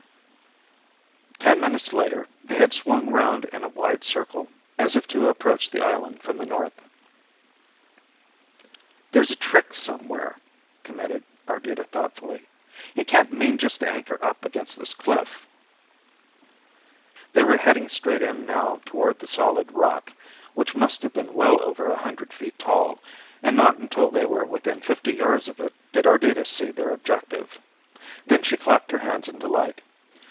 Ten minutes later they had swung round in a wide circle as if to approach the island from the north. "There's a trick somewhere," commented Ardita thoughtfully. "He can't mean just to anchor up against this cliff." They were heading straight in now toward the solid rock, which must have been well over a hundred feet tall, and not until they were within fifty yards of it did Ardita see their objective. Then she clapped her hands in delight.